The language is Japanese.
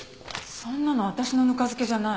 そんなの私のぬか漬けじゃない。